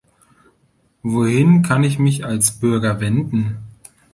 Wohin kann ich mich als Bürger wenden?